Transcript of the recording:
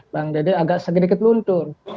bang dede agak sedikit luntur